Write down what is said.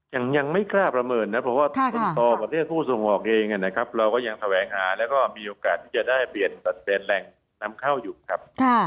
ยังไม่กล้าประเมินนะเพราะว่าคนโตประเทศผู้ส่งออกเองนะครับเราก็ยังแสวงหาแล้วก็มีโอกาสที่จะได้เปลี่ยนแหล่งนำเข้าอยู่ครับ